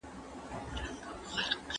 تاسو په خپلو ملګرو کي کوم یو ښه بولئ؟